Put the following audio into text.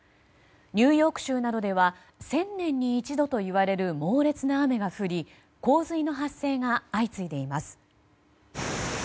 ニューヨーク州などでは１０００年に一度といわれる猛烈な雨が降り洪水の発生が相次いでいます。